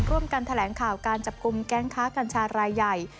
ร่วมกันแถลงข่าวการจับกลุ่มแก๊งค้ากัญชารายใหญ่